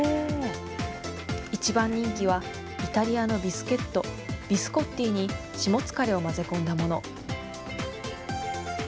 一番人気は、イタリアのビスケット、ビスコッティにしもつかれを混ぜ込んだもの。